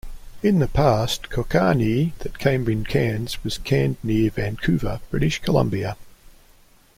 In the past, Kokanee that came in cans was canned near Vancouver, British Columbia.